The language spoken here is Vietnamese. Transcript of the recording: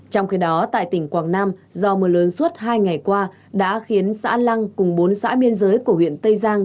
trong khi đó tại tỉnh quảng nam do mưa lớn suốt hai ngày qua đã khiến xã lăng cùng bốn xã biên giới của huyện tây giang